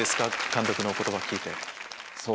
監督のお言葉聞いて。